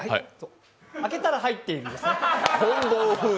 開けたら入っているんですね。